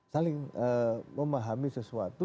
saling memahami sesuatu